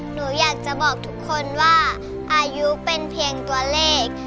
หนูอยากจะบอกทุกคนว่าอายุเป็นเพียงตัวเลข